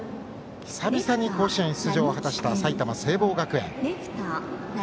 久々に甲子園出場を果たした埼玉・聖望学園。